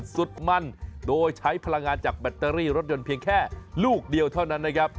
สุดมั่นโดยใช้พลังงานจากแบตเตอรี่รถยนต์เพียงแค่ลูกเดียวเท่านั้นนะครับ